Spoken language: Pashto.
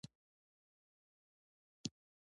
د درد د مینځلو لپاره باید څه شی وکاروم؟